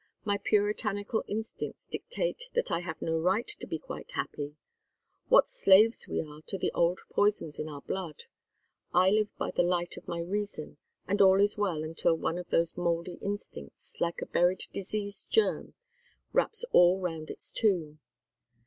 My puritanical instincts dictate that I have no right to be quite happy. What slaves we are to the old poisons in our blood! I live by the light of my reason, and all is well until one of those mouldy instincts, like a buried disease germ, raps all round its tomb.